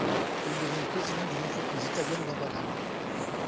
Il devient président d'une entreprise italienne d'emballage.